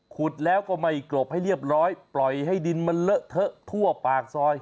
ขุดแล้วก็ไม่กรบให้เรียบร้อยปล่อยให้ดินมันเลอะเทอะทั่วปากซอย